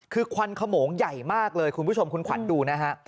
คือควันขโมงใหญ่มากเลยคุณผู้ชมคุณขวัญดูนะฮะ